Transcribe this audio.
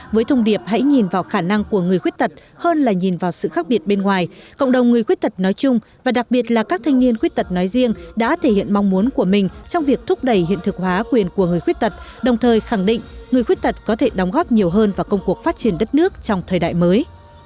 với thông điệp hãy nhìn vào khả năng của người khuyết tật hơn là nhìn vào sự khác biệt bên ngoài cộng đồng người khuyết tật nói chung và đặc biệt là các thanh niên khuyết tật nói riêng đã thể hiện mong muốn của mình trong việc thúc đẩy hiện thực hóa quyền của người khuyết tật đồng thời khẳng định người khuyết tật có thể đóng góp nhiều hơn vào công cuộc phát triển đất nước trong thời đại mới